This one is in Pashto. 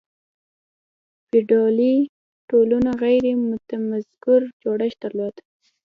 فیوډالي ټولنو غیر متمرکز جوړښت درلود.